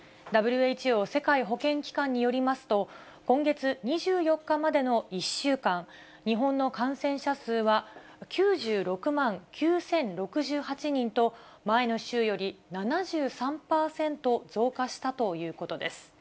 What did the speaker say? ＷＨＯ・世界保健機関によりますと、今月２４日までの１週間、日本の感染者数は９６万９０６８人と、前の週より７３％増加したということです。